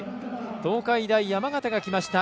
東海大山形がきました。